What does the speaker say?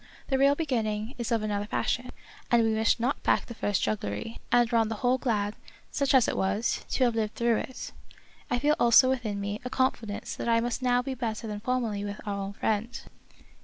The real beginning is of another fashion; and we wish not back the first jugglery, and are on the whole glad, such as it was, to have lived through it. I feel also .within me a confidence that it must now be better than formerly with our old friend."